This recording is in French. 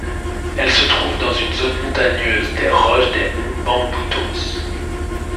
Elle se trouve dans une zone montagneuse des roches des monts Bamboutos.